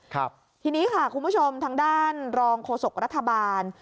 ครับทีนี้ค่ะคุณผู้ชมทางด้านรองโฆษกรัฐบาล